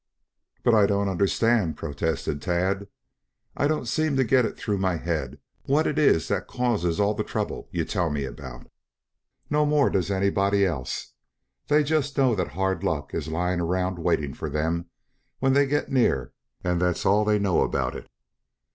"But, I don't understand," protested Tad. "I don't seem to get it through my head what it is that causes all the trouble you tell me about." "No more does anybody else. They just know that hard luck is lying around waiting for them when they get near and that's all they know about it."